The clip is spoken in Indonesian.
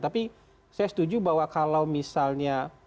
tapi saya setuju bahwa kalau misalnya